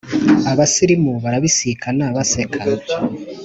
abasirimu barabisikana baseka